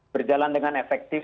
berjalan dengan efektif